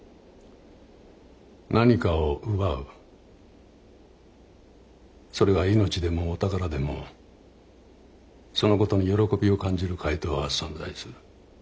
何かを奪うそれが命でもお宝でもそのことに喜びを感じる怪盗は存在する。